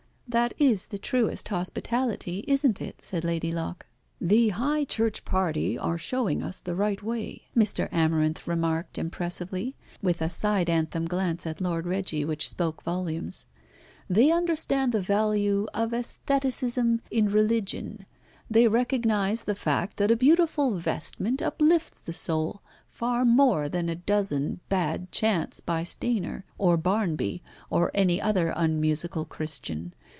"That is the truest hospitality, isn't it," said Lady Locke. "The high church party are showing us the right way," Mr. Amarinth remarked impressively, with a side anthem glance at Lord Reggie which spoke volumes. "They understand the value of æstheticism in religion. They recognise the fact that a beautiful vestment uplifts the soul far more than a dozen bad chants by Stainer, or Barnby, or any other unmusical Christian.